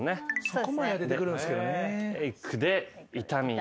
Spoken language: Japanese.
そこまでは出てくるんすけどね。